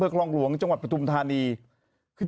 เบอร์ครองหลวงจังหวัดประตุมธารีย์